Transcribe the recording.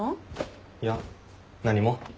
いや何も。